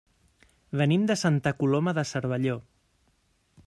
Venim de Santa Coloma de Cervelló.